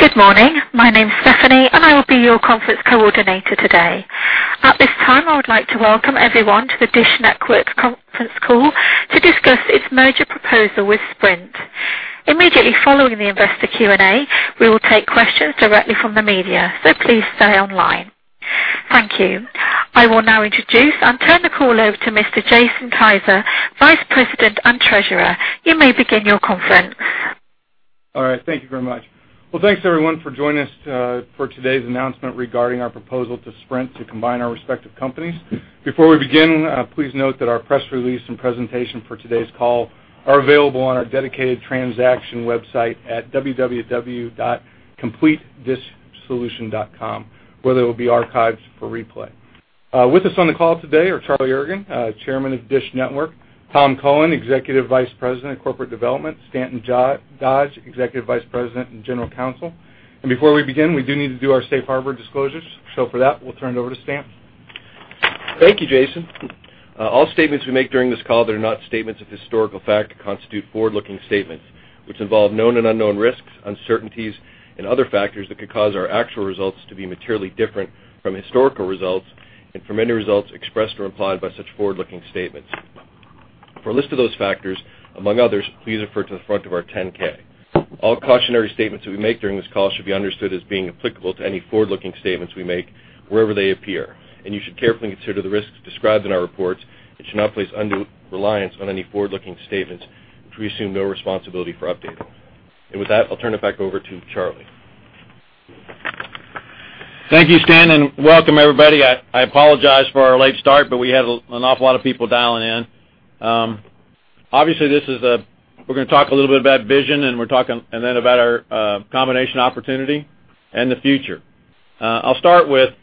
Good morning. My name's Stephanie, and I will be your conference coordinator today. At this time, I would like to welcome everyone to the DISH Network Conference Call to discuss its merger proposal with Sprint. Immediately following the investor Q&A, we will take questions directly from the media, so please stay online. Thank you. I will now introduce and turn the call over to Mr. Jason Kiser, Vice President and Treasurer. You may begin your conference. All right. Thank you very much. Well, thanks, everyone, for joining us for today's announcement regarding our proposal to Sprint to combine our respective companies. Before we begin, please note that our press release and presentation for today's call are available on our dedicated transaction website at www.completedishsolution.com, where they will be archived for replay. With us on the call today are Charlie Ergen, Chairman of DISH Network, Tom Cullen, Executive Vice President of Corporate Development, Stanton Dodge, Executive Vice President and General Counsel. Before we begin, we do need to do our safe harbor disclosures. For that, we'll turn it over to Stanton. Thank you, Jason. All statements we make during this call that are not statements of historical fact constitute forward-looking statements, which involve known and unknown risks, uncertainties and other factors that could cause our actual results to be materially different from historical results and from any results expressed or implied by such forward-looking statements. For a list of those factors, among others, please refer to the front of our 10-K. All cautionary statements that we make during this call should be understood as being applicable to any forward-looking statements we make wherever they appear, and you should carefully consider the risks described in our reports and should not place undue reliance on any forward-looking statements, which we assume no responsibility for updating. With that, I'll turn it back over to Charlie. Thank you, Stanton, welcome, everybody. I apologize for our late start, we had an awful lot of people dialing in. Obviously, this is We're gonna talk a little bit about vision, then about our combination opportunity and the future. I'll start with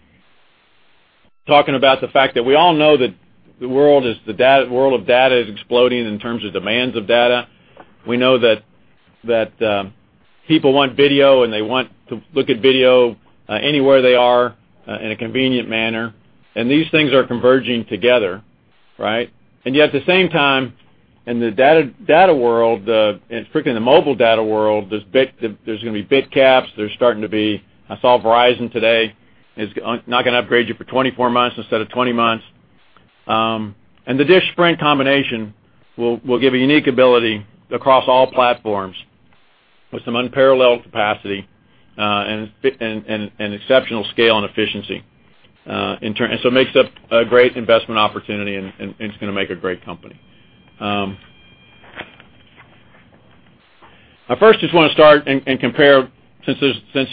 talking about the fact that we all know that the world of data is exploding in terms of demands of data. We know that people want video, they want to look at video anywhere they are in a convenient manner. These things are converging together, right? Yet at the same time, in the data world, and particularly in the mobile data world, there's gonna be bit caps. There's starting to be I saw Verizon today is now gonna upgrade you for 24 months instead of 20 months. The DISH-Sprint combination will give a unique ability across all platforms with some unparalleled capacity and exceptional scale and efficiency. It makes up a great investment opportunity and it's gonna make a great company. I first just wanna start and compare since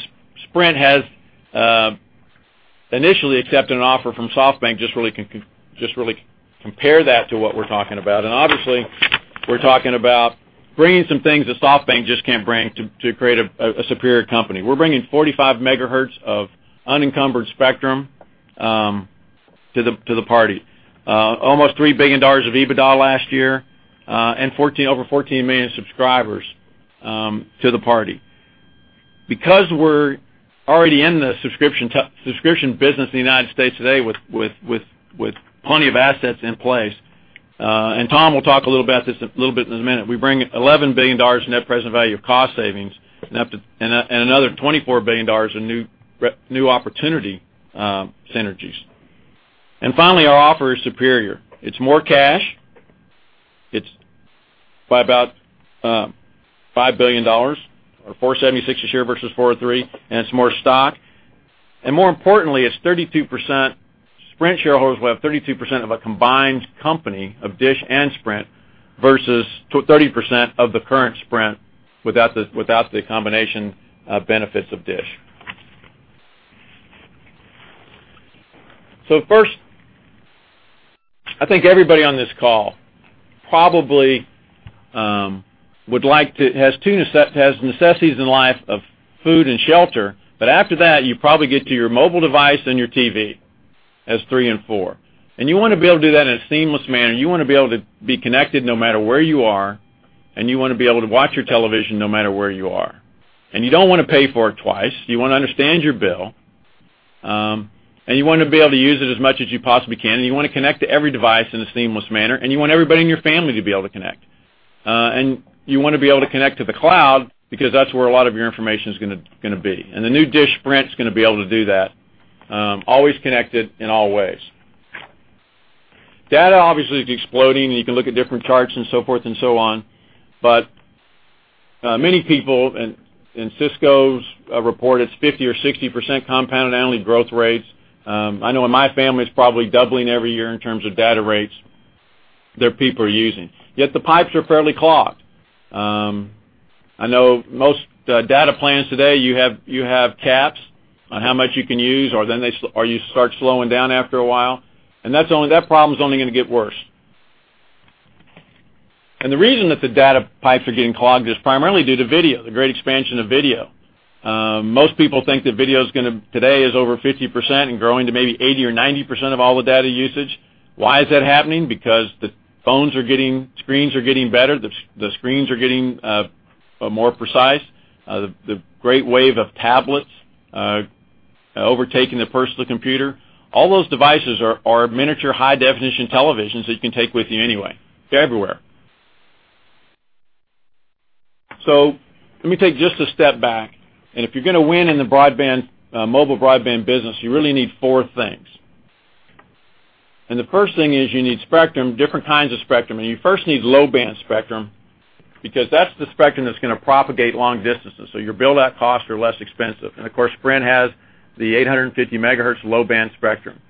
Sprint has initially accepted an offer from SoftBank, just really compare that to what we're talking about. Obviously, we're talking about bringing some things that SoftBank just can't bring to create a superior company. We're bringing 45 MHz of unencumbered spectrum to the party. Almost $3 billion of EBITDA last year, over 14 million subscribers to the party. Because we're already in the subscription business in the United States today with plenty of assets in place, Tom will talk a little about this a little bit in a minute. We bring $11 billion in net present value of cost savings and another $24 billion in new opportunity synergies. Finally, our offer is superior. It's more cash. It's by about $5 billion or $4.76 a share versus $4.03, and it's more stock. More importantly, it's 32%. Sprint shareholders will have 32% of a combined company of DISH and Sprint versus 30% of the current Sprint without the, without the combination, benefits of DISH. First, I think everybody on this call probably has two necessities in life of food and shelter. After that, you probably get to your mobile device and your TV as three and four. You wanna be able to do that in a seamless manner. You wanna be able to be connected no matter where you are, and you wanna be able to watch your television no matter where you are. You don't wanna pay for it twice. You wanna understand your bill, and you wanna be able to use it as much as you possibly can, and you wanna connect to every device in a seamless manner, and you want everybody in your family to be able to connect. And you wanna be able to connect to the cloud because that's where a lot of your information is gonna be. The new DISH-Sprint's gonna be able to do that. Always connected in all ways. Data obviously is exploding, and you can look at different charts and so forth and so on. Many people in Cisco's report it's 50% or 60% compounded annual growth rates. I know in my family it's probably doubling every year in terms of data rates that people are using. Yet the pipes are fairly clogged. I know most data plans today, you have caps on how much you can use or you start slowing down after a while. That's only-- that problem's only gonna get worse. The reason that the data pipes are getting clogged is primarily due to video, the great expansion of video. Most people think that video today is over 50% and growing to maybe 80% or 90% of all the data usage. Why is that happening? Because the phones are getting, screens are getting better. The screens are getting more precise. The, the great wave of tablets, overtaking the personal computer. All those devices are miniature high definition televisions that you can take with you anyway. They're everywhere. Let me take just a step back. If you're gonna win in the broadband, mobile broadband business, you really need four things. The first thing is you need spectrum, different kinds of spectrum. You first need low-band spectrum because that's the spectrum that's gonna propagate long distances, so your build-out costs are less expensive. Of course, Sprint has the 850 MHz low-band spectrum.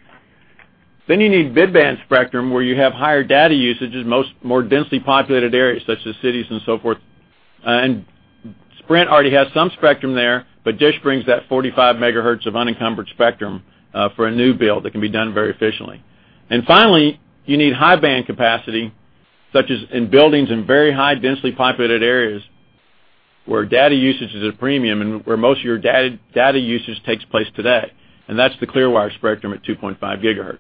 You need mid-band spectrum, where you have higher data usages, more densely populated areas such as cities and so forth. Sprint already has some spectrum there, but DISH brings that 45 MHz of unencumbered spectrum for a new build that can be done very efficiently. Finally, you need high-band capacity, such as in buildings in very high densely populated areas, where data usage is a premium and where most of your data usage takes place today. That's the Clearwire spectrum at 2.5 GHz.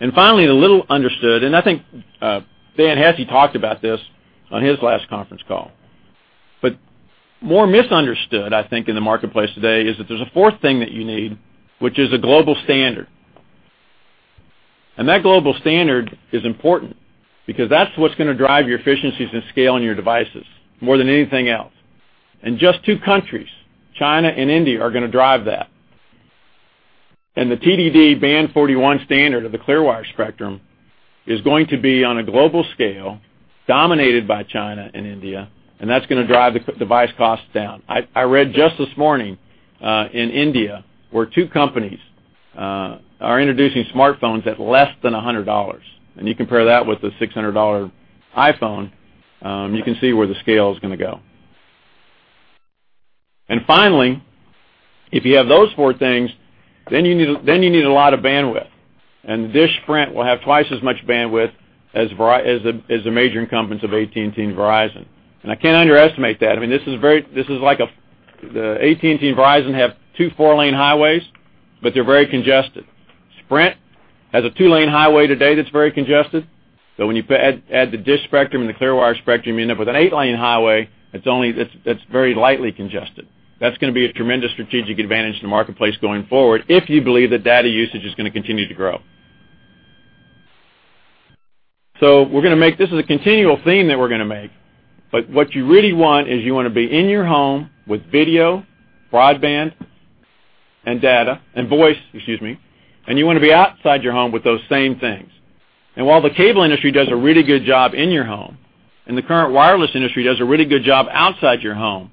The little understood, and I think, Dan Hesse talked about this on his last conference call. More misunderstood, I think, in the marketplace today is that there's a fourth thing that you need, which is a global standard. That global standard is important because that's what's gonna drive your efficiencies and scale on your devices more than anything else. Just two countries, China and India, are gonna drive that. The TDD band 41 standard of the Clearwire spectrum is going to be on a global scale dominated by China and India, and that's gonna drive the device costs down. I read just this morning, in India, where two companies are introducing smartphones at less than $100. You compare that with the $600 iPhone, you can see where the scale is going to go. Finally, if you have those four things, then you need a lot of bandwidth. DISH Sprint will have twice as much bandwidth as the major incumbents of AT&T and Verizon. I can't underestimate that. I mean, this is like the AT&T and Verizon have two 4-lane highways, but they're very congested. Sprint has a 2-lane highway today that's very congested. When you add the DISH spectrum and the Clearwire spectrum, you end up with an 8-lane highway that's only very lightly congested. That's going to be a tremendous strategic advantage in the marketplace going forward, if you believe that data usage is going to continue to grow. This is a continual theme that we're gonna make, but what you really want is you wanna be in your home with video, broadband, and data, and voice, excuse me, and you wanna be outside your home with those same things. While the cable industry does a really good job in your home, and the current wireless industry does a really good job outside your home,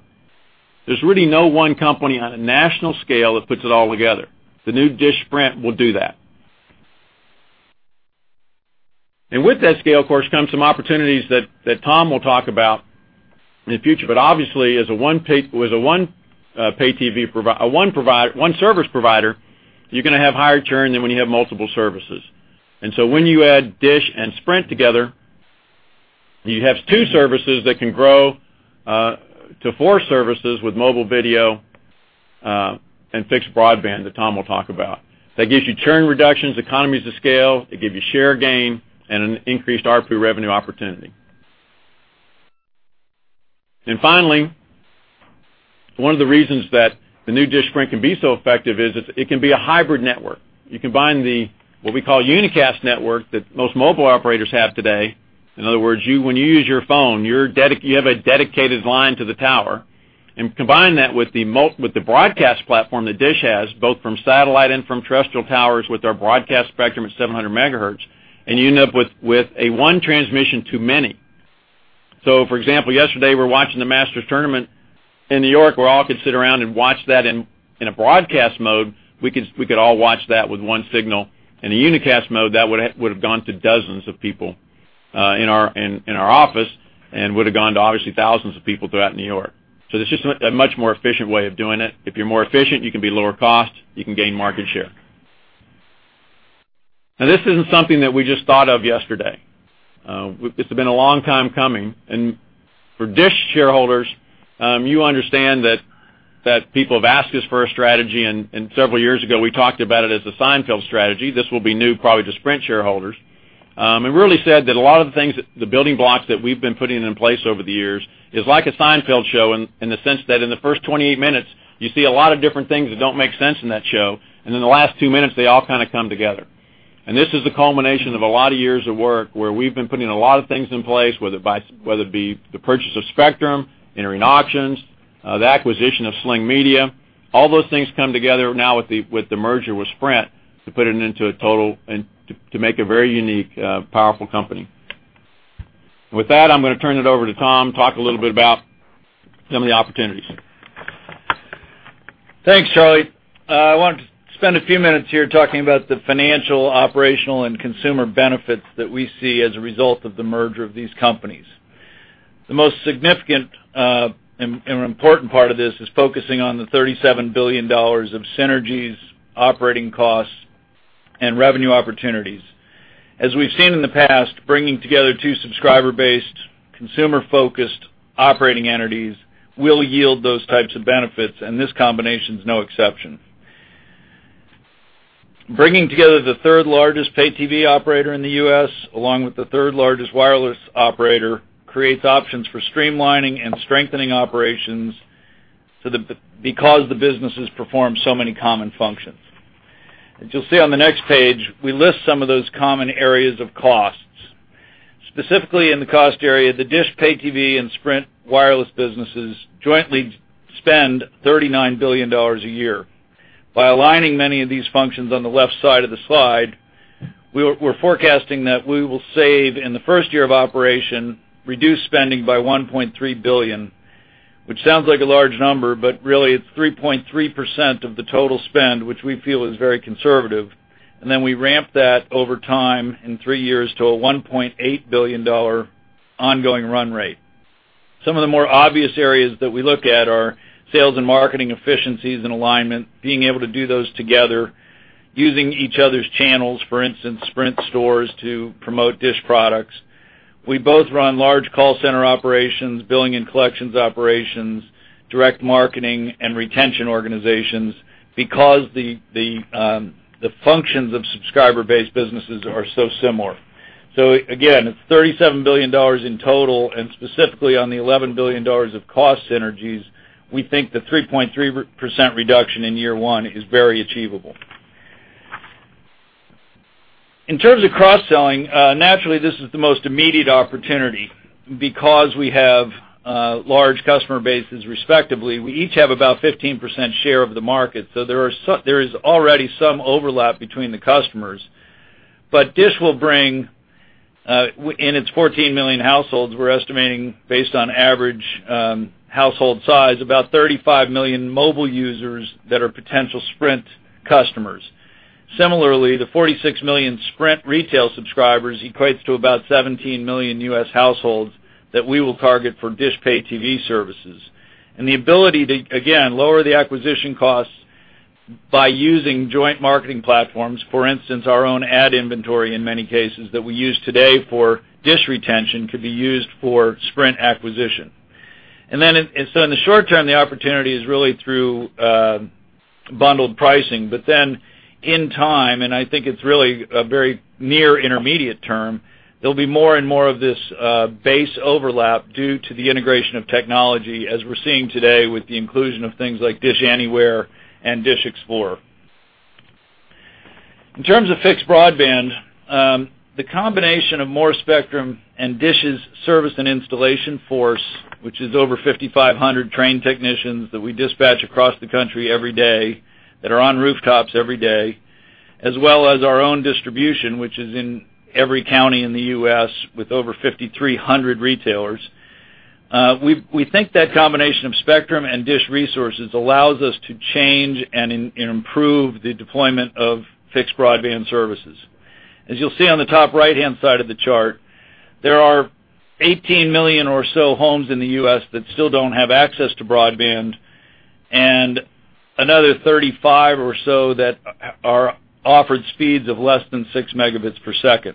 there's really no one company on a national scale that puts it all together. The new DISH Sprint will do that. With that scale, of course, comes some opportunities that Tom will talk about in the future. Obviously, as a one service provider, you're gonna have higher churn than when you have multiple services. When you add DISH and Sprint together, you have two services that can grow to four services with mobile video and fixed broadband that Tom will talk about. That gives you churn reductions, economies of scale, they give you share gain and an increased ARPU revenue opportunity. Finally, one of the reasons that the new DISH Sprint can be so effective is it can be a hybrid network. You combine the, what we call unicast network that most mobile operators have today. In other words, when you use your phone, you have a dedicated line to the tower. Combine that with the broadcast platform that DISH has, both from satellite and from terrestrial towers with our broadcast spectrum at 700 MHz, and you end up with a one transmission too many. For example, yesterday, we're watching the Masters Tournament in New York, where all could sit around and watch that in a broadcast mode. We could all watch that with one signal. In a unicast mode, that would have gone to dozens of people in our office and would have gone to, obviously, thousands of people throughout New York. It's just a much more efficient way of doing it. If you're more efficient, you can be lower cost, you can gain market share. This isn't something that we just thought of yesterday. It's been a long time coming. For DISH shareholders, you understand that people have asked us for a strategy, and several years ago, we talked about it as a Seinfeld strategy. This will be new probably to Sprint shareholders. Really said that a lot of the things that the building blocks that we've been putting in place over the years is like a Seinfeld in the sense that in the first 28 minutes, you see a lot of different things that don't make sense in that show, and in the last two minutes, they all kinda come together. This is the culmination of a lot of years of work where we've been putting a lot of things in place, whether it be the purchase of spectrum, entering auctions, the acquisition of Sling Media. All those things come together now with the merger with Sprint to put it into a total and to make a very unique, powerful company. With that, I'm gonna turn it over to Tom, talk a little bit about some of the opportunities. Thanks, Charlie. I want to spend a few minutes here talking about the financial, operational, and consumer benefits that we see as a result of the merger of these companies. The most significant and important part of this is focusing on the $37 billion of synergies, operating costs, and revenue opportunities. As we've seen in the past, bringing together two subscriber-based, consumer-focused operating entities will yield those types of benefits, and this combination is no exception. Bringing together the third-largest pay TV operator in the U.S., along with the third-largest wireless operator, creates options for streamlining and strengthening operations because the businesses perform so many common functions. As you'll see on the next page, we list some of those common areas of costs. Specifically in the cost area, the DISH Pay TV and Sprint wireless businesses jointly spend $39 billion a year. By aligning many of these functions on the left side of the slide, we're forecasting that we will save, in the first year of operation, reduce spending by $1.3 billion, which sounds like a large number, but really it's 3.3% of the total spend, which we feel is very conservative. We ramp that over time in three years to a $1.8 billion ongoing run rate. Some of the more obvious areas that we look at are sales and marketing efficiencies and alignment, being able to do those together, using each other's channels, for instance, Sprint stores to promote DISH products. We both run large call center operations, billing and collections operations, direct marketing and retention organizations because the functions of subscriber-based businesses are so similar. Again, it's $37 billion in total, and specifically on the $11 billion of cost synergies, we think the 3.3% reduction in Year 1 is very achievable. In terms of cross-selling, naturally, this is the most immediate opportunity because we have large customer bases, respectively. We each have about 15% share of the market. There is already some overlap between the customers. DISH will bring in its 14 million households, we're estimating based on average household size, about 35 million mobile users that are potential Sprint customers. Similarly, the 46 million Sprint retail subscribers equates to about 17 million U.S. households that we will target for DISH Pay TV services. The ability to, again, lower the acquisition costs by using joint marketing platforms, for instance, our own ad inventory in many cases that we use today for DISH retention could be used for Sprint acquisition. In the short term, the opportunity is really through bundled pricing. In time, and I think it's really a very near intermediate term, there'll be more and more of this base overlap due to the integration of technology as we're seeing today with the inclusion of things like DISH Anywhere and DISH Explorer. In terms of fixed broadband, the combination of more spectrum and DISH's service and installation force, which is over 5,500 trained technicians that we dispatch across the country every day, that are on rooftops every day, as well as our own distribution, which is in every county in the U.S. with over 5,300 retailers. We think that combination of spectrum and DISH resources allows us to change and improve the deployment of fixed broadband services. As you'll see on the top right-hand side of the chart, there are 18 million or so homes in the U.S. that still don't have access to broadband and another 35 or so that are offered speeds of less than 6 Mbps.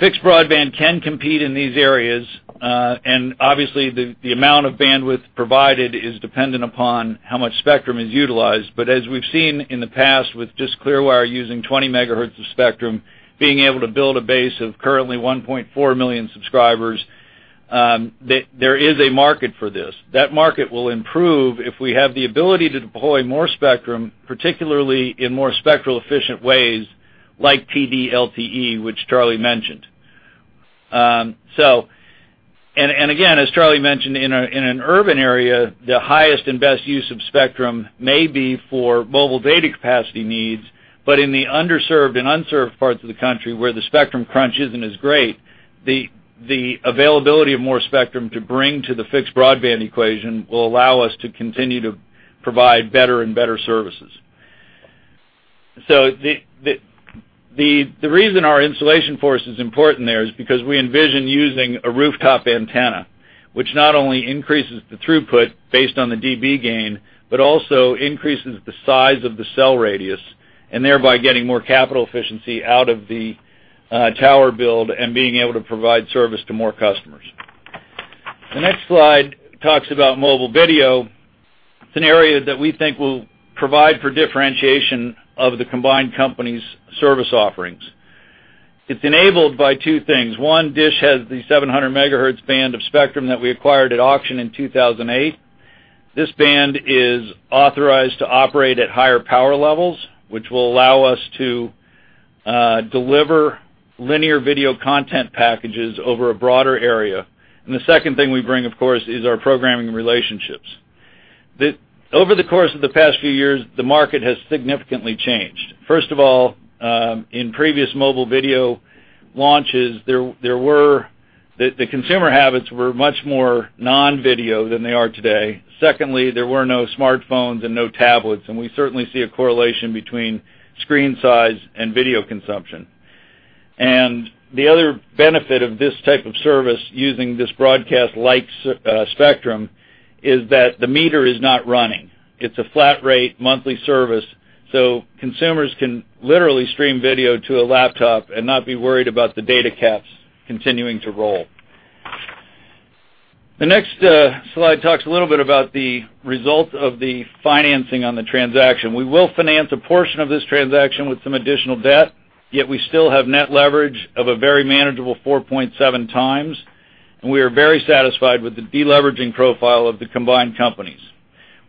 Fixed broadband can compete in these areas, and obviously, the amount of bandwidth provided is dependent upon how much spectrum is utilized. As we've seen in the past with just Clearwire using 20 MHz of spectrum, being able to build a base of currently 1.4 million subscribers, there is a market for this. That market will improve if we have the ability to deploy more spectrum, particularly in more spectral efficient ways like TD-LTE, which Charlie mentioned. Again, as Charlie mentioned, in an urban area, the highest and best use of spectrum may be for mobile data capacity needs. In the underserved and unserved parts of the country where the spectrum crunch isn't as great, the availability of more spectrum to bring to the fixed broadband equation will allow us to continue to provide better and better services. The reason our installation force is important there is because we envision using a rooftop antenna, which not only increases the throughput based on the dB gain, but also increases the size of the cell radius, and thereby getting more capital efficiency out of the tower build and being able to provide service to more customers. The next slide talks about mobile video. It's an area that we think will provide for differentiation of the combined company's service offerings. It's enabled by two things. One, DISH has the 700 MHz band of spectrum that we acquired at auction in 2008. This band is authorized to operate at higher power levels, which will allow us to deliver linear video content packages over a broader area. The second thing we bring, of course, is our programming relationships. Over the course of the past few years, the market has significantly changed. First of all, in previous mobile video launches, The consumer habits were much more non-video than they are today. There were no smartphones and no tablets, and we certainly see a correlation between screen size and video consumption. The other benefit of this type of service using this broadcast-like spectrum is that the meter is not running. It's a flat rate monthly service, consumers can literally stream video to a laptop and not be worried about the data caps continuing to roll. The next slide talks a little bit about the result of the financing on the transaction. We will finance a portion of this transaction with some additional debt, yet we still have net leverage of a very manageable 4.7x. We are very satisfied with the deleveraging profile of the combined companies.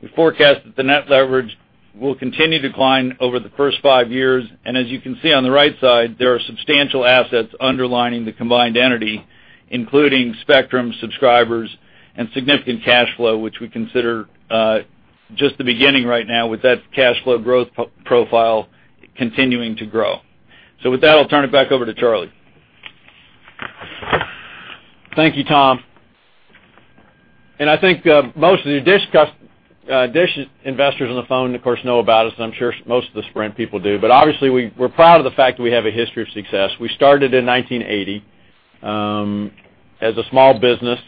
We forecast that the net leverage will continue to decline over the first five years. As you can see on the right side, there are substantial assets underlining the combined entity, including spectrum, subscribers, and significant cash flow, which we consider just the beginning right now with that cash flow growth profile continuing to grow. With that, I'll turn it back over to Charlie. Thank you, Tom. I think most of the DISH investors on the phone, of course, know about us, and I'm sure most of the Sprint people do. Obviously, we're proud of the fact that we have a history of success. We started in 1980 as a small business.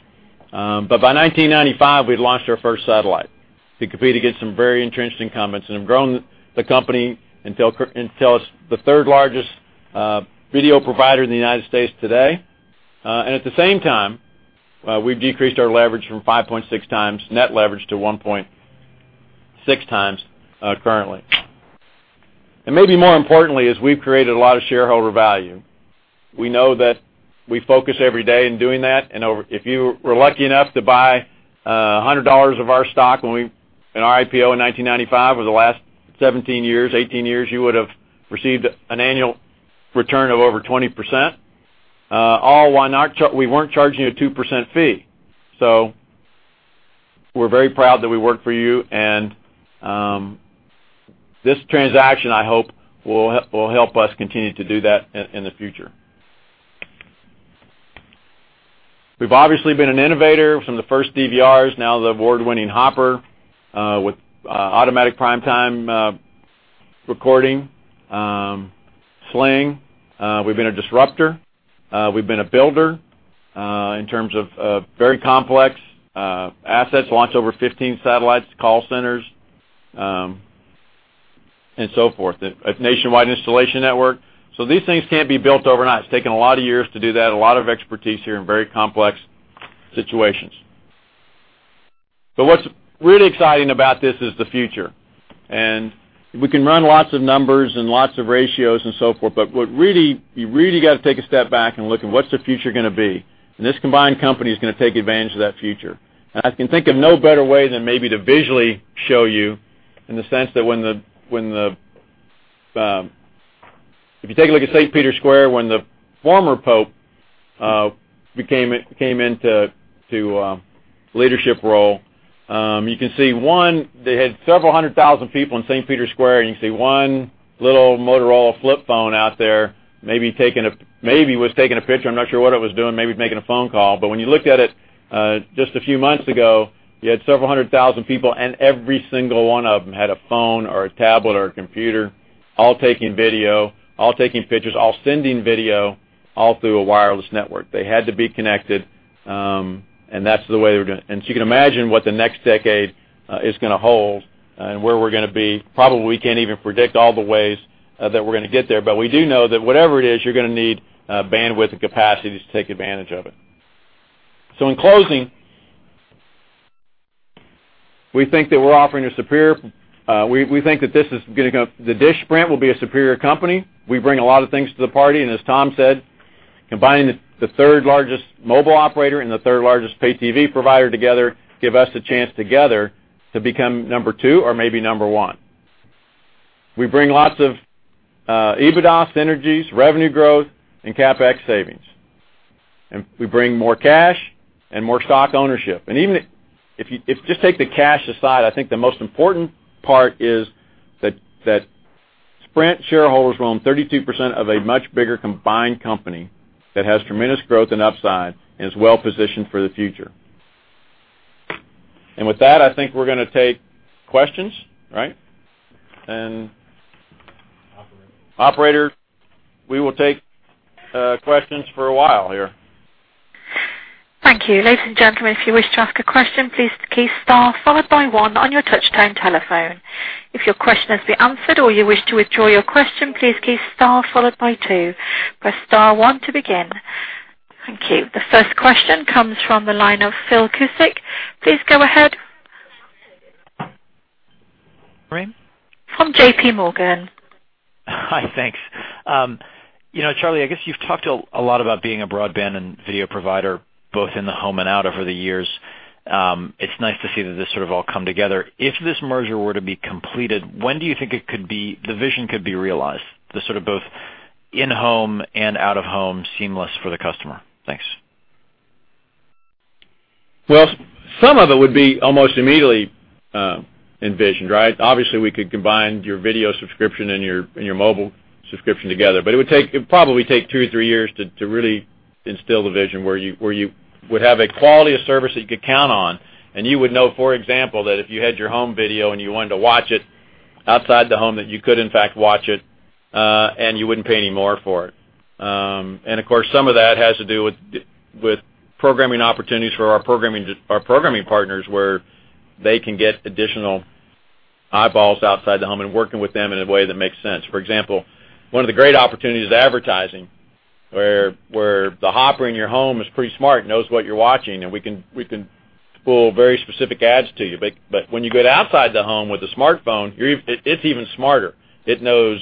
By 1995, we'd launched our first satellite to compete against some very interesting incumbents and have grown the company until it's the third-largest video provider in the United States today. At the same time, we've decreased our leverage from 5.6x net leverage to 1.6x currently. Maybe more importantly is we've created a lot of shareholder value. We know that we focus every day in doing that. Over if you were lucky enough to buy $100 of our stock when in our IPO in 1995, over the last 17 years, 18 years, you would have received an annual return of over 20% all while we weren't charging you a 2% fee. We're very proud that we work for you. This transaction, I hope, will help us continue to do that in the future. We've obviously been an innovator from the first DVRs, now the award-winning Hopper, with automatic prime time recording, Sling. We've been a disruptor. We've been a builder in terms of very complex assets. Launched over 15 satellites, call centers and so forth. A nationwide installation network. These things can't be built overnight. It's taken a lot of years to do that, a lot of expertise here in very complex situations. What's really exciting about this is the future. We can run lots of numbers and lots of ratios and so forth, but what really, you really gotta take a step back and look at what's the future gonna be. This combined company is gonna take advantage of that future. I can think of no better way than maybe to visually show you in the sense that when the, if you take a look at St. Peter's Square, when the former pope came into leadership role, you can see, one, they had several hundred thousand people in St. Peter's Square, and you can see 1 little Motorola flip phone out there, maybe was taking a picture. I'm not sure what it was doing. Maybe making a phone call. When you looked at it, just a few months ago, you had several hundred thousand people, and every single 1 of them had a phone or a tablet or a computer, all taking video, all taking pictures, all sending video, all through a wireless network. They had to be connected. You can imagine what the next decade is gonna hold and where we're gonna be. Probably, we can't even predict all the ways that we're gonna get there. We do know that whatever it is, you're gonna need bandwidth and capacity to take advantage of it. In closing, we think that DISH-Sprint will be a superior company. We bring a lot of things to the party. As Tom said, combining the third-largest mobile operator and the third-largest Pay TV provider together give us the chance together to become number 2 or maybe number 1. We bring lots of EBITDA synergies, revenue growth, and CapEx savings. We bring more cash and more stock ownership. Even if you just take the cash aside, I think the most important part is that Sprint shareholders will own 32% of a much bigger combined company that has tremendous growth and upside and is well-positioned for the future. With that, I think we're going to take questions, right? Operator, we will take questions for a while here. The first question comes from the line of Philip Cusick. Please go ahead. From JPMorgan. Hi, thanks. You know, Charlie, I guess you've talked a lot about being a broadband and video provider both in the home and out over the years. It's nice to see that this sort of all come together. If this merger were to be completed, when do you think the vision could be realized? The sort of both in-home and out-of-home seamless for the customer. Thanks. Some of it would be almost immediately envisioned, right? Obviously, we could combine your video subscription and your mobile subscription together. It'd probably take two to three years to really instill the vision where you would have a quality of service that you could count on. You would know, for example, that if you had your home video and you wanted to watch it outside the home, that you could, in fact, watch it, and you wouldn't pay any more for it. Of course, some of that has to do with programming opportunities for our programming partners, where they can get additional eyeballs outside the home and working with them in a way that makes sense. For example, one of the great opportunities is advertising, where the Hopper in your home is pretty smart, knows what you're watching, and we can pull very specific ads to you. When you get outside the home with a smartphone, it's even smarter. It knows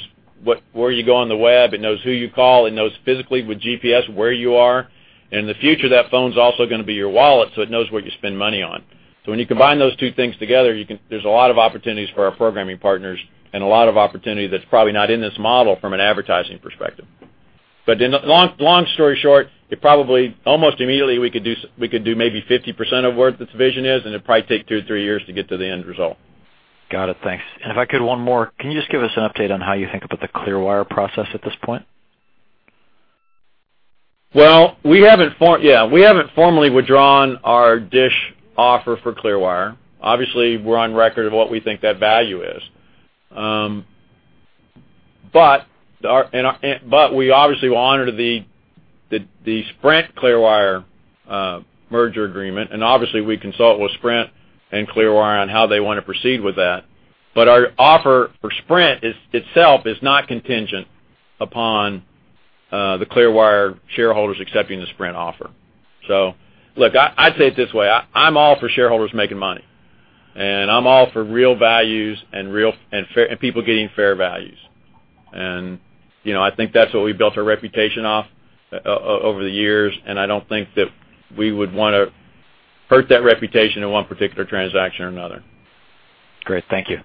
where you go on the web, it knows who you call, it knows physically with GPS where you are. In the future, that phone's also gonna be your wallet, it knows what you spend money on. When you combine those two things together, there's a lot of opportunities for our programming partners and a lot of opportunity that's probably not in this model from an advertising perspective. In the long, long story short, it probably almost immediately we could do maybe 50% of what this vision is, it'd probably take two to three years to get to the end result. Got it. Thanks. If I could, one more. Can you just give us an update on how you think about the Clearwire process at this point? Well, Yeah, we haven't formally withdrawn our DISH offer for Clearwire. Obviously, we're on record of what we think that value is. We obviously will honor the, the Sprint Clearwire merger agreement, and obviously, we consult with Sprint and Clearwire on how they wanna proceed with that. Our offer for Sprint itself is not contingent upon the Clearwire shareholders accepting the Sprint offer. Look, I say it this way. I'm all for shareholders making money, and I'm all for real values and real, and fair, and people getting fair values. You know, I think that's what we built our reputation off over the years, and I don't think that we would wanna hurt that reputation in one particular transaction or another. Great. Thank you.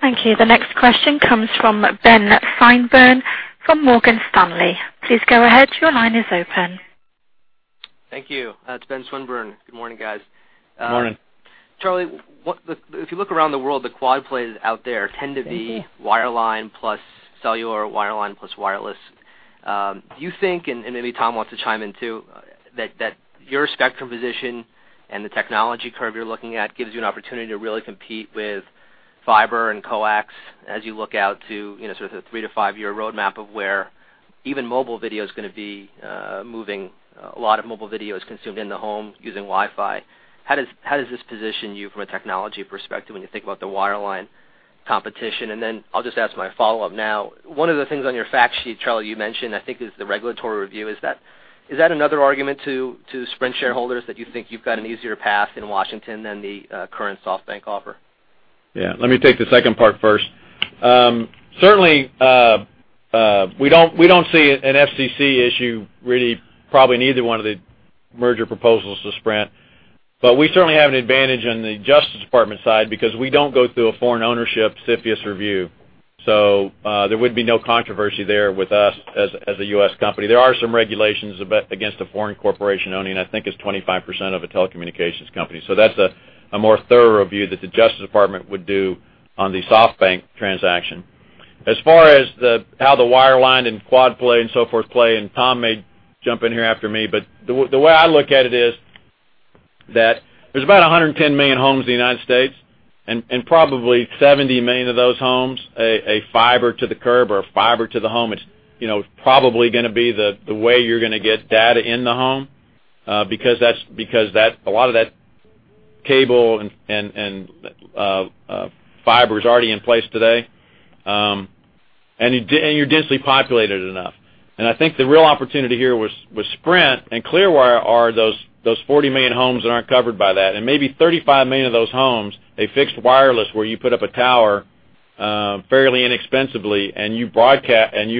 Thank you. The next question comes from Ben Swinburne from Morgan Stanley. Please go ahead. Thank you. It's Ben Swinburne. Good morning, guys. Morning. Charlie, what If you look around the world, the quad plays out there tend to be wireline plus cellular, wireline plus wireless. Do you think, and maybe Tom wants to chime in too, that your spectrum position and the technology curve you're looking at gives you an opportunity to really compete with fiber and coax as you look out to, you know, sort of the three to five year roadmap of where even mobile video is gonna be moving a lot of mobile videos consumed in the home using WiFi. How does this position you from a technology perspective when you think about the wireline competition? Then I'll just ask my follow-up now. One of the things on your fact sheet, Charlie, you mentioned, I think, is the regulatory review. Is that another argument to Sprint shareholders that you think you've got an easier path in Washington than the current SoftBank offer? Certainly, we don't see an FCC issue really probably in either one of the merger proposals to Sprint. We certainly have an advantage on the Justice Department side because we don't go through a foreign ownership CFIUS review. There would be no controversy there with us as a U.S. company. There are some regulations about against a foreign corporation owning, I think it's 25% of a telecommunications company. That's a more thorough review that the Justice Department would do on the SoftBank transaction. As far as the, how the wireline and quad play and so forth play, and Tom may jump in here after me, but the way I look at it is that there's about 110 million homes in the U.S., and probably 70 million of those homes, a fiber to the curb or fiber to the home is, you know, probably gonna be the way you're gonna get data in the home, because that's a lot of that cable and fiber is already in place today, and you're densely populated enough. I think the real opportunity here with Sprint and Clearwire are those 40 million homes that aren't covered by that. Maybe 35 million of those homes, a fixed wireless where you put up a tower, fairly inexpensively and you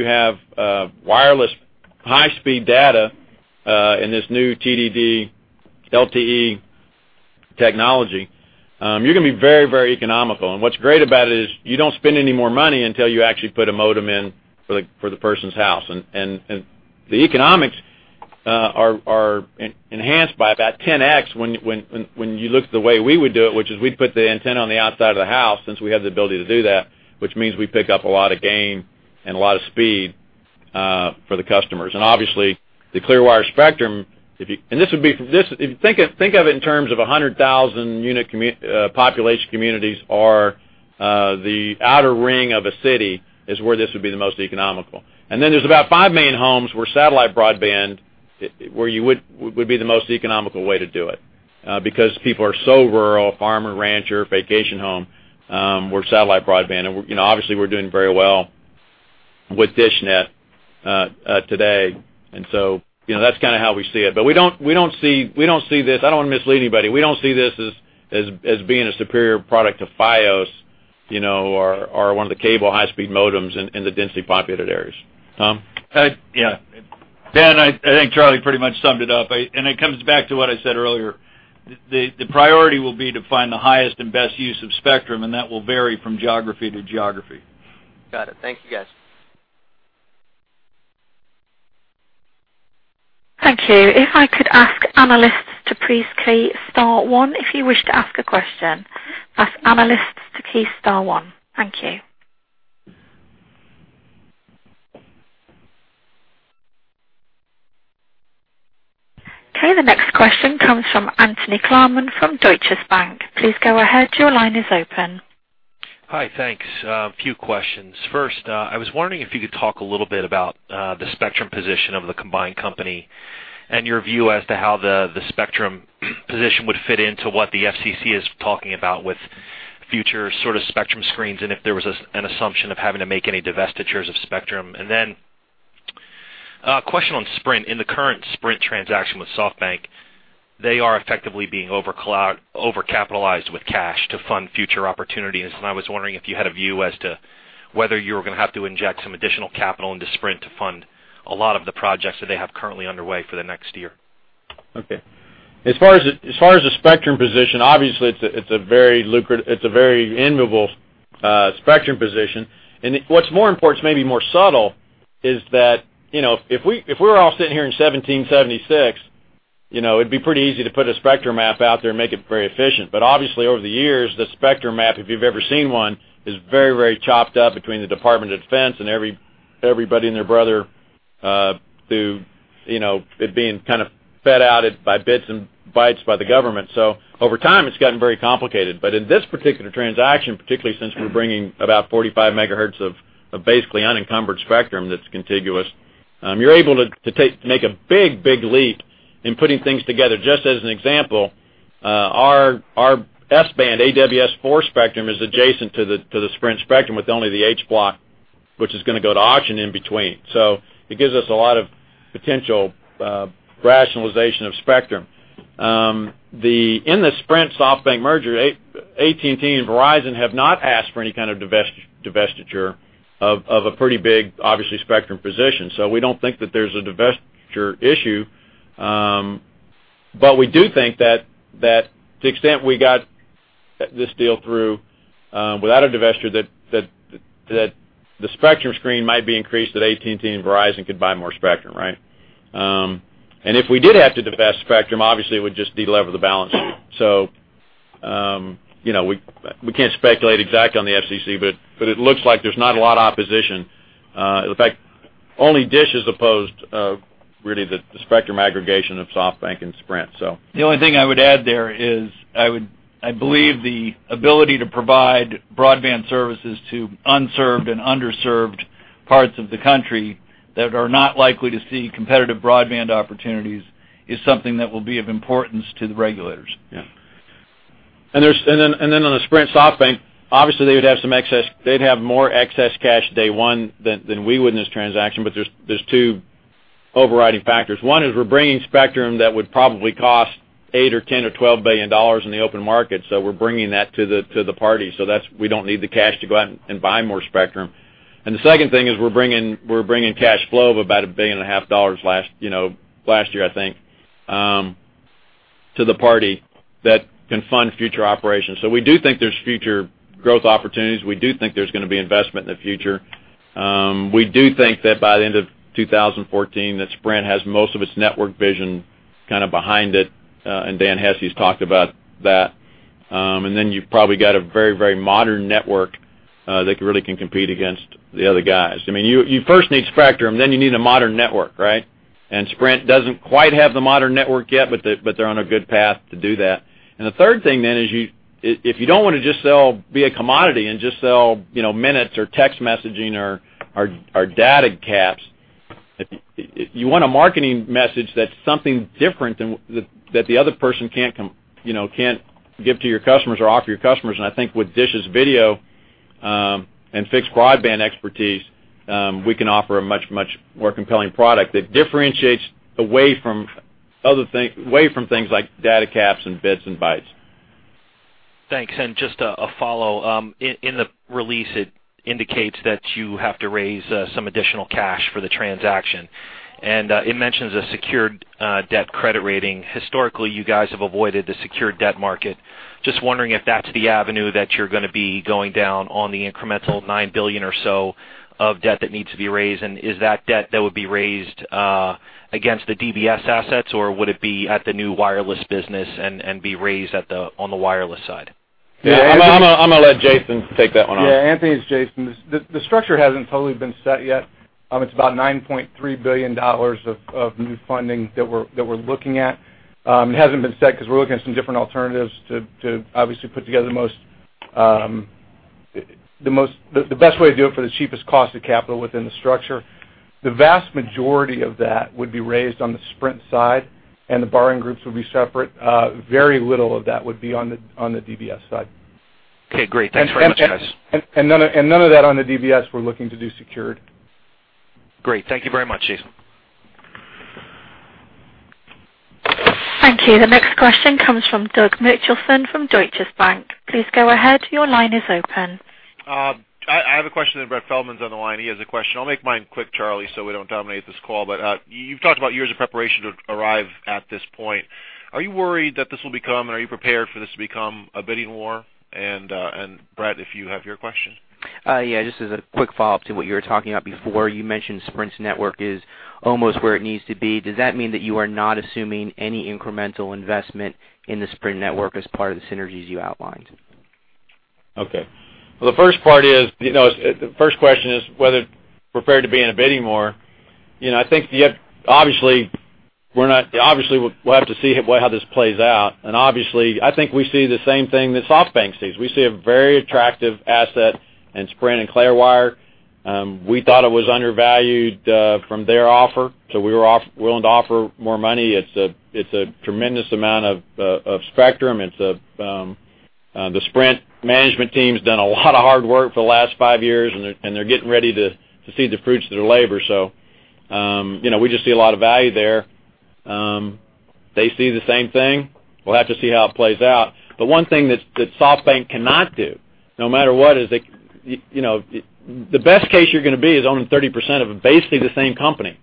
have wireless high-speed data in this new TDD, LTE technology, you're gonna be very, very economical. What's great about it is you don't spend any more money until you actually put a modem in for the person's house. The economics are enhanced by about 10x when you look the way we would do it, which is we'd put the antenna on the outside of the house since we have the ability to do that, which means we pick up a lot of gain and a lot of speed for the customers. The Clearwire spectrum, if you think of it in terms of 100,000 unit population communities or the outer ring of a city is where this would be the most economical. There's about five million homes where satellite broadband, where you would be the most economical way to do it, because people are so rural, farmer, rancher, vacation home, where satellite broadband. We're, you know, we're doing very well with dishNET today. You know, that's kinda how we see it. We don't see this. I don't wanna mislead anybody. We don't see this as being a superior product to Fios, you know, or one of the cable high-speed modems in the densely populated areas. Tom? Yeah. Ben, I think Charlie pretty much summed it up. It comes back to what I said earlier. The priority will be to find the highest and best use of spectrum, and that will vary from geography to geography. Got it. Thank you, guys. Thank you. If I could ask analysts to please key *1 if you wish to ask a question. Ask analysts to key *1. Thank you. Okay. The next question comes from Anthony Klarman from Deutsche Bank. Please go ahead. Hi, thanks. A few questions. First, I was wondering if you could talk a little bit about the spectrum position of the combined company and your view as to how the spectrum position would fit into what the FCC is talking about with future sort of spectrum screens, and if there was an assumption of having to make any divestitures of spectrum. Question on Sprint. In the current Sprint transaction with SoftBank, they are effectively being overcapitalized with cash to fund future opportunities. I was wondering if you had a view as to whether you were gonna have to inject some additional capital into Sprint to fund a lot of the projects that they have currently underway for the next year. Okay. As far as the spectrum position, obviously, it's a very enviable spectrum position. What's more important, it's maybe more subtle, is that, you know, if we were all sitting here in 1776, you know, it'd be pretty easy to put a spectrum map out there and make it very efficient. Obviously, over the years, the spectrum map, if you've ever seen one, is very chopped up between the Department of Defense and everybody and their brother, to, you know, it being kind of fed out by bits and bytes by the government. Over time, it's gotten very complicated. In this particular transaction, particularly since we're bringing about 45 MHz of basically unencumbered spectrum that's contiguous, you're able to make a big leap in putting things together. Just as an example, our S-band, AWS4 spectrum is adjacent to the Sprint spectrum with only the H block, which is gonna go to auction in between. It gives us a lot of potential rationalization of spectrum. In the Sprint SoftBank merger, AT&T and Verizon have not asked for any kind of divestiture of a pretty big, obviously, spectrum position. We don't think that there's a divestiture issue. We do think that to the extent we got this deal through without a divestiture, that the spectrum screen might be increased, that AT&T and Verizon could buy more spectrum, right? And if we did have to divest spectrum, obviously, it would just de-leverage the balance sheet. You know, we can't speculate exactly on the FCC, but it looks like there's not a lot of opposition. In fact, only DISH is opposed of really the spectrum aggregation of SoftBank and Sprint. The only thing I would add there is I believe the ability to provide broadband services to unserved and underserved parts of the country that are not likely to see competitive broadband opportunities is something that will be of importance to the regulators. Yeah. On the Sprint SoftBank, obviously, they would have more excess cash day one than we would in this transaction, there's two overriding factors. One is we're bringing spectrum that would probably cost $8 billion or $10 billion or $12 billion in the open market, we're bringing that to the party. We don't need the cash to go out and buy more spectrum. The second thing is we're bringing cash flow of about $1.5 billion last, you know, last year, I think, to the party that can fund future operations. We do think there's future growth opportunities. We do think there's going to be investment in the future. We do think that by the end of 2014, that Sprint has most of its Network Vision kind of behind it, and Dan Hesse's talked about that. Then you've probably got a very, very modern network that really can compete against the other guys. I mean, you first need spectrum, then you need a modern network, right? Sprint doesn't quite have the modern network yet, but they're on a good path to do that. The third thing then is if you don't want to just sell, be a commodity and just sell, you know, minutes or text messaging or data caps, if you want a marketing message that's something different than what the other person can't give to your customers or offer your customers. I think with DISH's video and fixed broadband expertise, we can offer a much more compelling product that differentiates away from things like data caps and bits and bytes. Thanks. Just a follow. In the release, it indicates that you have to raise some additional cash for the transaction. It mentions a secured debt credit rating. Historically, you guys have avoided the secured debt market. Just wondering if that's the avenue that you're going to be going down on the incremental $9 billion or so of debt that needs to be raised. Is that debt that would be raised against the DBS assets, or would it be at the new wireless business and be raised on the wireless side? I'm gonna let Jason take that one on. Yeah, Anthony, it's Jason. The structure hasn't totally been set yet. It's about $9.3 billion of new funding that we're looking at. It hasn't been set because we're looking at some different alternatives to obviously put together the best way to do it for the cheapest cost of capital within the structure. The vast majority of that would be raised on the Sprint side, and the borrowing groups would be separate. Very little of that would be on the DBS side. Okay, great. Thanks very much, guys. None of that on the DBS we're looking to do secured. Great. Thank you very much, Jason. Thank you. The next question comes from Doug Mitchelson from Deutsche Bank. Please go ahead. Your line is open. I have a question, Brett Feldman's on the line, he has a question. I'll make mine quick, Charlie, so we don't dominate this call. You've talked about years of preparation to arrive at this point. Are you worried that this will become, or are you prepared for this to become a bidding war? Brett, if you have your question. Yeah, just as a quick follow-up to what you were talking about before. You mentioned Sprint's network is almost where it needs to be. Does that mean that you are not assuming any incremental investment in the Sprint network as part of the synergies you outlined? Okay. Well, you know, the first question is whether prepared to be in a bidding war. You know, obviously, we'll have to see how this plays out. Obviously, I think we see the same thing that SoftBank sees. We see a very attractive asset in Sprint and Clearwire. We thought it was undervalued from their offer, so we were willing to offer more money. It's a tremendous amount of spectrum. It's the Sprint management team's done a lot of hard work for the last five years, and they're getting ready to see the fruits of their labor. You know, we just see a lot of value there. They see the same thing. We'll have to see how it plays out. One thing that SoftBank cannot do, no matter what, is, you know, the best case you're gonna be is owning 30% of basically the same company,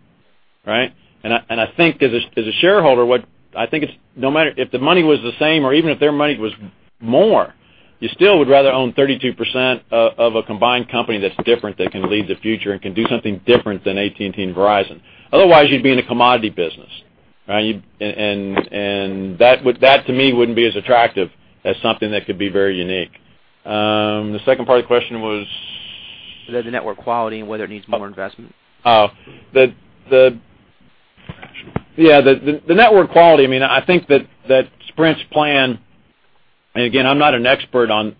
right? I think as a shareholder, what I think is no matter if the money was the same or even if their money was more, you still would rather own 32% of a combined company that's different, that can lead the future and can do something different than AT&T and Verizon. Otherwise, you'd be in a commodity business, right? That to me wouldn't be as attractive as something that could be very unique. The second part of the question was? The network quality and whether it needs more investment. Yeah, the network quality, I mean, I think that Sprint's plan. Again, I'm not an expert on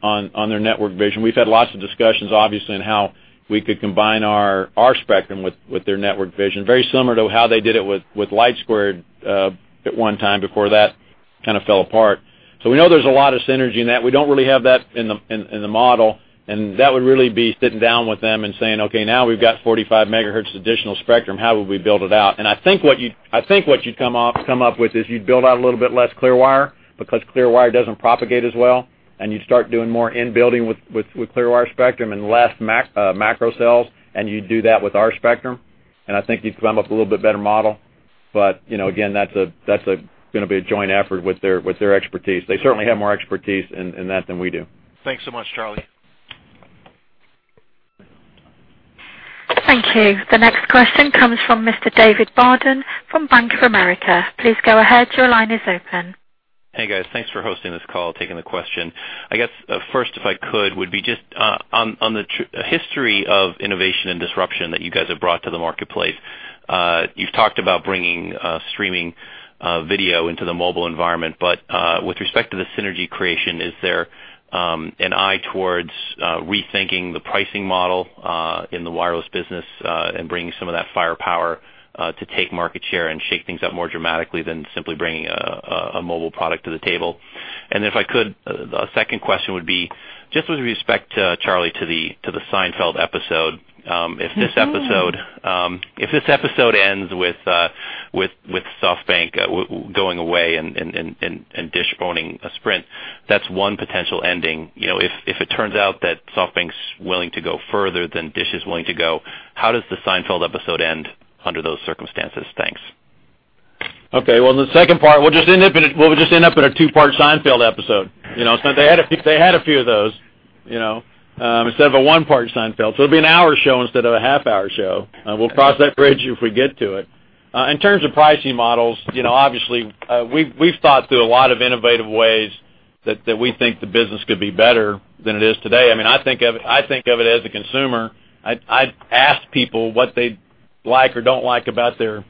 their Network Vision. We've had lots of discussions, obviously, on how we could combine our spectrum with their Network Vision, very similar to how they did it with LightSquared at one time before that kind of fell apart. We know there's a lot of synergy in that. We don't really have that in the model, that would really be sitting down with them and saying, "Okay, now we've got 45 MHz additional spectrum. How would we build it out? I think what you'd come up with is you'd build out a little bit less Clearwire, because Clearwire doesn't propagate as well, and you start doing more in building with Clearwire spectrum and less macro cells, and you do that with our spectrum, and I think you'd come up with a little bit better model. You know, again, that's a gonna be a joint effort with their expertise. They certainly have more expertise in that than we do. Thanks so much, Charlie. Thank you. The next question comes from Mr. David Barden from Bank of America. Please go ahead. Your line is open. Hey, guys. Thanks for hosting this call, taking the question. I guess, first, if I could, would be just on the history of innovation and disruption that you guys have brought to the marketplace. You've talked about bringing streaming video into the mobile environment. With respect to the synergy creation, is there an eye towards rethinking the pricing model in the wireless business and bringing some of that firepower to take market share and shake things up more dramatically than simply bringing a mobile product to the table? If I could, the second question would be just with respect, Charlie, to the Seinfeld episode. If this episode, if this episode ends with SoftBank going away and DISH owning Sprint, that's one potential ending. You know, if it turns out that SoftBank's willing to go further than DISH is willing to go, how does the Seinfeld episode end under those circumstances? Thanks. Okay. Well, in the second part, we'll just end up in a two-part Seinfeld episode. You know, they had a few of those, you know, instead of a one-part Seinfeld. It'll be an hour show instead of a half-hour show. We'll cross that bridge if we get to it. In terms of pricing models, you know, obviously, we've thought through a lot of innovative ways that we think the business could be better than it is today. I mean, I think of it as a consumer. I ask people what they like or don't like about their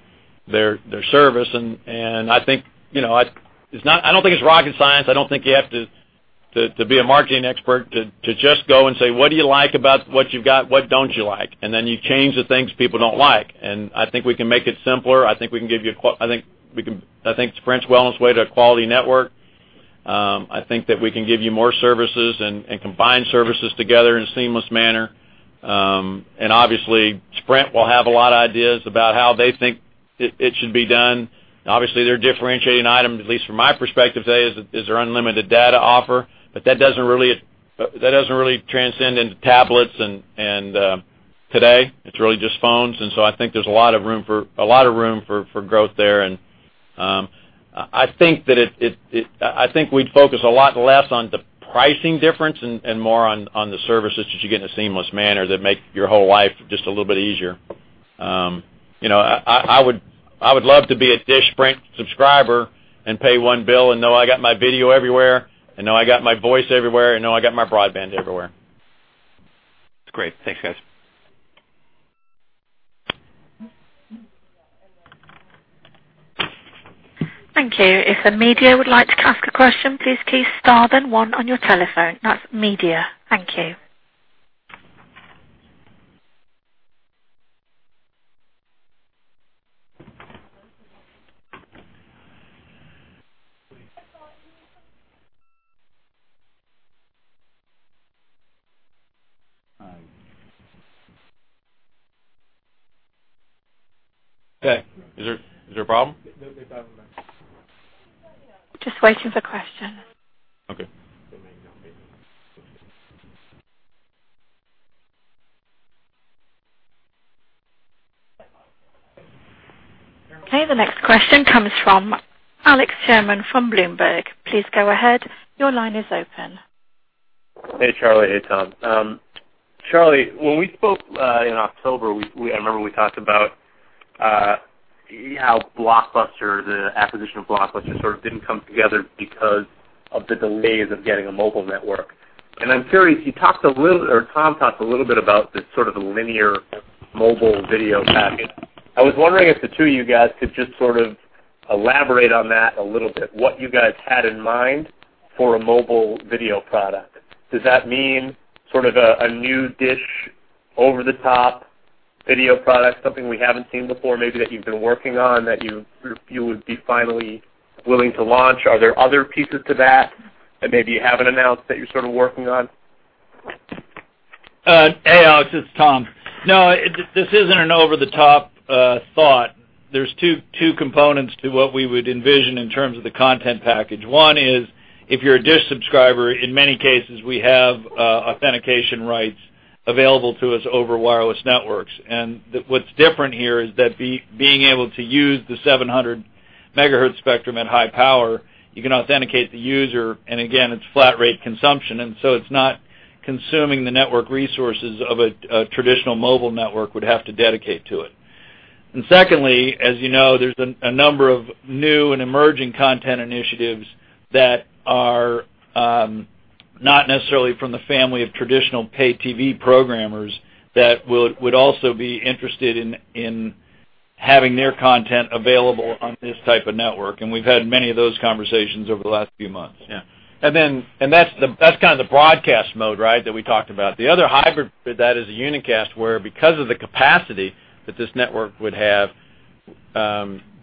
service, and I think, you know, I don't think it's rocket science. I don't think you have to be a marketing expert to just go and say, "What do you like about what you've got? What don't you like?" Then you change the things people don't like. I think we can make it simpler. I think Sprint's well on its way to a quality network. I think that we can give you more services and combine services together in a seamless manner. Obviously, Sprint will have a lot of ideas about how they think it should be done. Obviously, their differentiating item, at least from my perspective today, is their unlimited data offer. That doesn't really transcend into tablets and today, it's really just phones. I think there's a lot of room for growth there. I think that I think we'd focus a lot less on the pricing difference and more on the services that you get in a seamless manner that make your whole life just a little bit easier. You know, I would love to be a DISH Sprint subscriber and pay one bill and know I got my video everywhere and know I got my voice everywhere and know I got my broadband everywhere. That's great. Thanks, guys. Thank you. If the media would like to ask a question, please key *1 on your telephone. That's media. Thank you. Hey, is there a problem? Just waiting for questions. Okay. Okay, the next question comes from Alex Sherman from Bloomberg. Please go ahead. Your line is open. Hey, Charlie. Hey, Tom. Charlie, when we spoke in October, I remember we talked about how Blockbuster, the acquisition of Blockbuster sort of didn't come together because of the delays of getting a mobile network. I'm curious, you talked a little, or Tom talked a little bit about the sort of the linear mobile video package. I was wondering if the two of you guys could just sort of elaborate on that a little bit, what you guys had in mind for a mobile video product. Does that mean sort of a new DISH over-the-top video product, something we haven't seen before, maybe that you've been working on that you would be finally willing to launch? Are there other pieces to that maybe you haven't announced that you're sort of working on? Hey, Alex, it's Tom. No, this isn't an over-the-top thought. There's two components to what we would envision in terms of the content package. One is if you're a DISH subscriber, in many cases, we have authentication rights available to us over wireless networks. The what's different here is that being able to use the 700 MHz spectrum at high power, you can authenticate the user, and again, it's flat rate consumption. It's not consuming the network resources of a traditional mobile network would have to dedicate to it. Secondly, as you know, there's a number of new and emerging content initiatives that are not necessarily from the family of traditional Pay TV programmers that would also be interested in having their content available on this type of network, and we've had many of those conversations over the last few months. That's kind of the broadcast mode, right? That we talked about. The other hybrid for that is a unicast where because of the capacity that this network would have,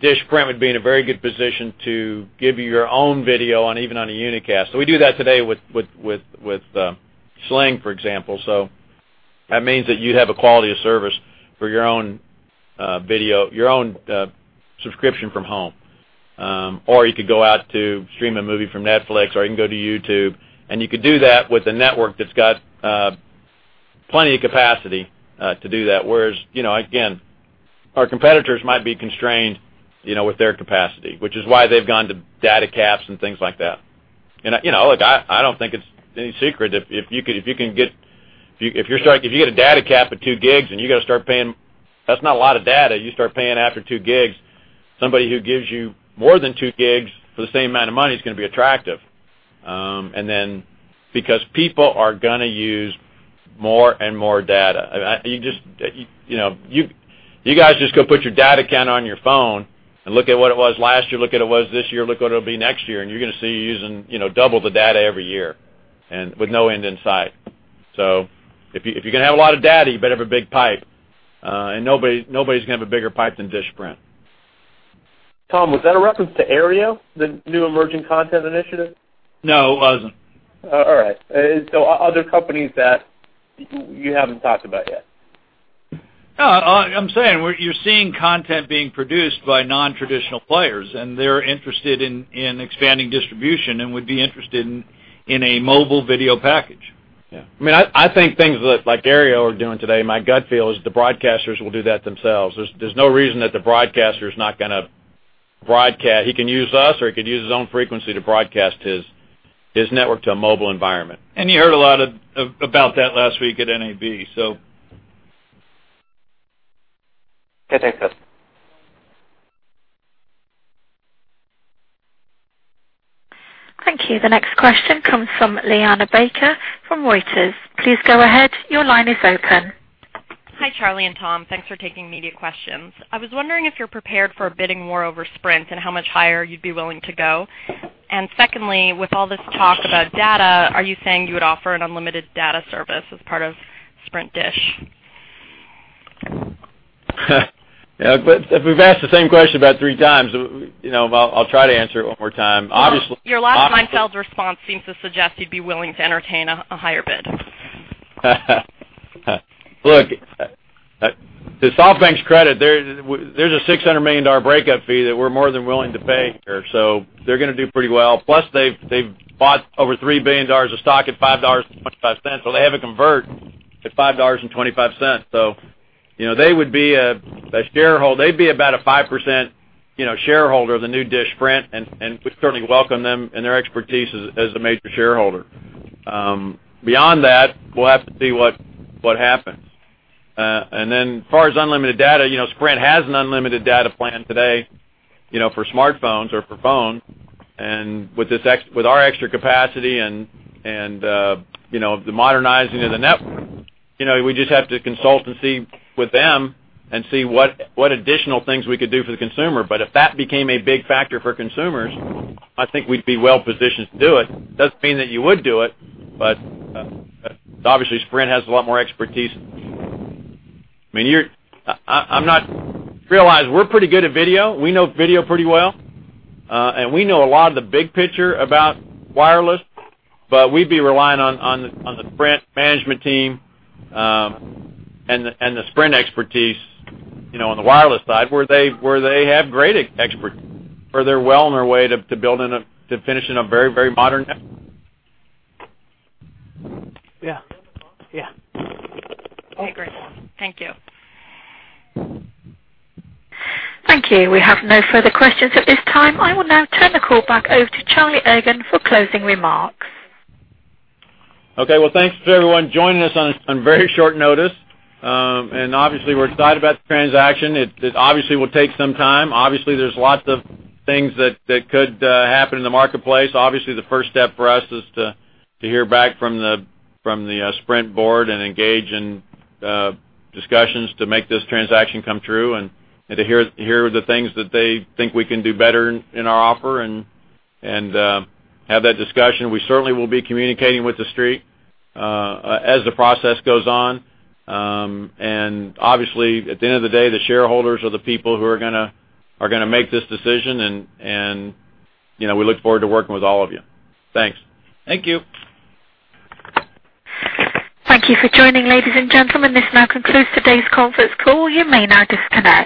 DISH Sprint would be in a very good position to give you your own video on even on a unicast. We do that today with Sling, for example. That means that you have a quality of service for your own video, your own subscription from home. Or you could go out to stream a movie from Netflix, or you can go to YouTube, and you could do that with a network that's got plenty of capacity to do that. You know, again, our competitors might be constrained, you know, with their capacity, which is why they've gone to data caps and things like that. You know, look, I don't think it's any secret if you're starting, if you get a data cap of 2 GB and you gotta start paying, that's not a lot of data. You start paying after 2 GB. Somebody who gives you more than 2 GB for the same amount of money is gonna be attractive. Because people are gonna use more and more data. You just, you know, guys just go put your data count on your phone and look at what it was last year, look at what it was this year, look what it'll be next year, and you're going to see you're using, you know, double the data every year and with no end in sight. If you're going to have a lot of data, you better have a big pipe. Nobody's going to have a bigger pipe than DISH Sprint. Tom, was that a reference to Aereo, the new emerging content initiative? No, it wasn't. All right. Other companies that you haven't talked about yet? No, I'm saying, you're seeing content being produced by non-traditional players, and they're interested in expanding distribution and would be interested in a mobile video package. Yeah. I mean, I think things like Aereo are doing today, my gut feel is the broadcasters will do that themselves. There's no reason that the broadcaster's not gonna broadcast. He can use us or he could use his own frequency to broadcast his network to a mobile environment. You heard a lot of about that last week at NAB, so. Okay, thanks, guys. Thank you. The next question comes from Liana Baker from Reuters. Please go ahead. Your line is open. Hi, Charlie and Tom. Thanks for taking media questions. I was wondering if you're prepared for a bidding war over Sprint and how much higher you'd be willing to go. Secondly, with all this talk about data, are you saying you would offer an unlimited data service as part of Sprint DISH? Yeah, we've asked the same question about 3x. You know, I'll try to answer it one more time. Your last time Seinfeld's response seems to suggest you'd be willing to entertain a higher bid. Look, to SoftBank's credit, there's a $600 million breakup fee that we're more than willing to pay here. They're going to do pretty well. Plus they've bought over $3 billion of stock at $5.25. They have it convert to $5.25. You know, they would be a shareholder. They'd be about a 5%, you know, shareholder of the new DISH Sprint, and we certainly welcome them and their expertise as a major shareholder. Beyond that, we'll have to see what happens. As far as unlimited data, you know, Sprint has an unlimited data plan today, you know, for smartphones or for phone. With this with our extra capacity and, you know, the modernizing of the network, you know, we just have to consult and see with them and see what additional things we could do for the consumer. If that became a big factor for consumers, I think we'd be well-positioned to do it. It doesn't mean that you would do it, but obviously Sprint has a lot more expertise. I mean, I'm realize we're pretty good at video. We know video pretty well. And we know a lot of the big picture about wireless, but we'd be relying on the Sprint management team, and the Sprint expertise, you know, on the wireless side where they have great expertise. Further well on their way to building a, to finishing a very modern network. Okay, great. Thank you. Thank you. We have no further questions at this time. I will now turn the call back over to Charlie Ergen for closing remarks. Okay. Well, thanks to everyone joining us on very short notice. Obviously we're excited about the transaction. It obviously will take some time. Obviously, there's lots of things that could happen in the marketplace. Obviously, the first step for us is to hear back from the Sprint board and engage in discussions to make this transaction come true and to hear the things that they think we can do better in our offer and have that discussion. We certainly will be communicating with the Street as the process goes on. Obviously at the end of the day, the shareholders are the people who are gonna make this decision and, you know, we look forward to working with all of you. Thanks. Thank you. Thank you for joining, ladies and gentlemen. This now concludes today's conference call. You may now disconnect.